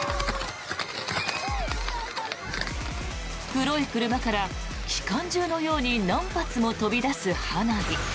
黒い車から機関銃のように何発も飛び出す花火。